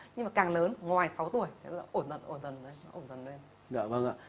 nhưng mà càng lớn ngoài sáu tuổi thì nó ổn dần ổn dần lên